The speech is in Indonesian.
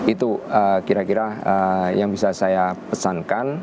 itu kira kira yang bisa saya pesankan